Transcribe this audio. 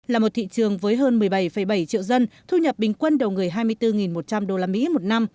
là một thị trường với hơn một mươi bảy bảy triệu dân thu nhập bình quân đầu người hai mươi bốn một trăm linh usd một năm